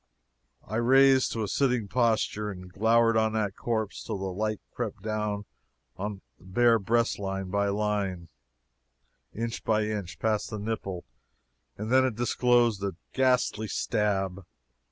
I raised to a sitting posture and glowered on that corpse till the light crept down the bare breastline by line inch by inch past the nipple and then it disclosed a ghastly stab!